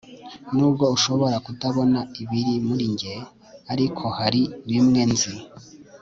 nubwo ushobora kutabona ibiri muri njye arko hari bimwe nzi